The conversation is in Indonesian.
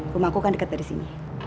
rumahku kan dekat dari sini